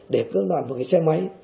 để cước đoạt một cái xe máy